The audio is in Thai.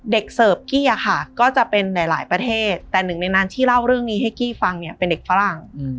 เสิร์ฟกี้อะค่ะก็จะเป็นหลายประเทศแต่หนึ่งในนั้นที่เล่าเรื่องนี้ให้กี้ฟังเนี่ยเป็นเด็กฝรั่ง